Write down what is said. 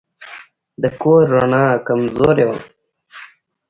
د کور رڼا کمزورې وه.